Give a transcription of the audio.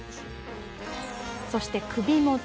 そして首元。